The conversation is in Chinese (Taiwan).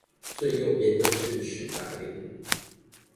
最右邊的是史達林